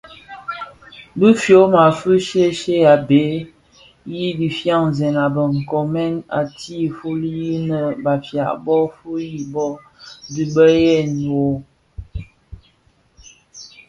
Bi fyoma fi shye shye a bhee i dhifyanzèn a be nkoomèn i ti fuli yi nnë Bafia bō fuyi, bo dhi beyen ooo?